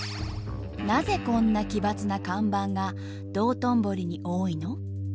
なぜこんな奇抜な看板が道頓堀に多いの？